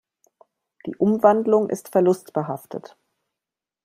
Die Umwandlung ist verlustbehaftet.